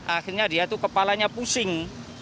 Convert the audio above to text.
akhirnya dia itu kepalanya pusing